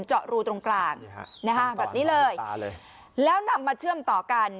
เจาะรูตรงกลางแบบนี้เลยแล้วนำมาเชื่อมต่อกัน